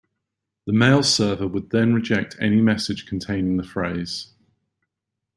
The mail server would then reject any message containing the phrase.